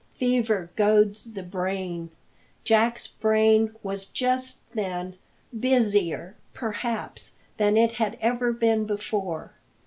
Fever goads the brain. Jack's brain was just then busier, perhaps, than it had ever been before.